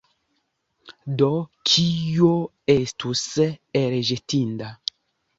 Do kio estus elĵetinda?